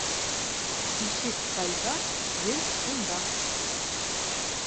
Тишек ҡайҙа ел шунда.